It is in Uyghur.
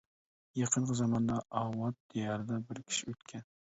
يېقىنقى زاماندا ئاۋات دىيارىدا بىر كىشى ئۆتكەن.